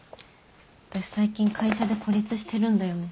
私最近会社で孤立してるんだよね。